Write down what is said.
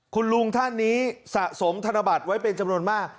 คุณลุงท่านนี้สะสมธนบัตรไว้เป็นจำนวนมาก